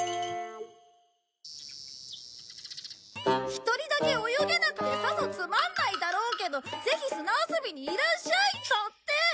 「１人だけ泳げなくてさぞつまんないだろうけどぜひ砂遊びにいらっしゃい」だって！